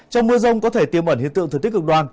trong mưa rông có thể tiêm ẩn hiện tượng thực tích cực đoan